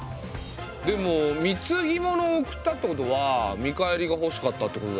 でもみつぎ物をおくったってことは見返りがほしかったってことだよね。